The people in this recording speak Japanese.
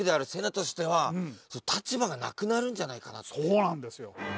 そうなんですよ。